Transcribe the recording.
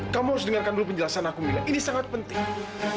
kamu harus dengarkan dulu penjelasan aku mila ini sangat penting